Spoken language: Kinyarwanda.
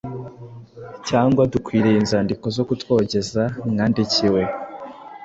Cyangwa dukwiriye inzandiko zo kutwogeza mwandikiwe